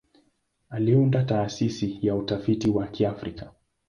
Aliunda Taasisi ya Utafiti wa Kiafrika.